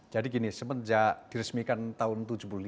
jadi gini semenjak diresmikan tahun seribu sembilan ratus tujuh puluh lima